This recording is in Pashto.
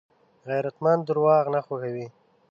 غیرتمند درواغ نه خوښوي